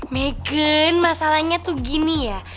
megan masalahnya tuh gini ya